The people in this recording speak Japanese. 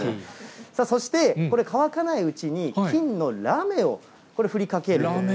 そしてこれ、乾かないうちに金のラメをこれ、振りかける。